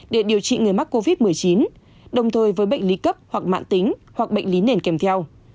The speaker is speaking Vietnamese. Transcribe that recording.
để điều trị người mắc covid một mươi chín đồng thời với bệnh lý cấp hoặc mạng tính hoặc bệnh lý nền kèm theo